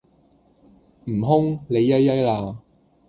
悟空,你曳曳啦